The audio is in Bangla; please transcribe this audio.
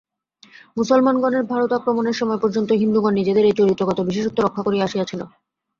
মুসলমানগণের ভারত-আক্রমণের সময় পর্যন্ত হিন্দুগণ নিজেদের এই চরিত্রগত বিশেষত্ব রক্ষা করিয়া আসিয়াছিলেন।